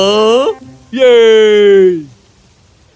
dan mereka bertiga mulai bermain bersama